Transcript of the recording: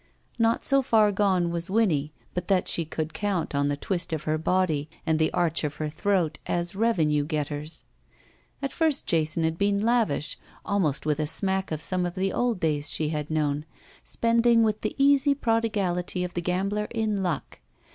Not so far gone was Winnie but that she could count on the twist of her body and the arch of her throat as revenue getters. At first Jason had been lavish, almost with a smack of some of the old days she had known, spend ing with the easy prodigality of the gambler in luck.